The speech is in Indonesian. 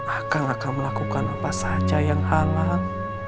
akal akan melakukan apa saja yang halal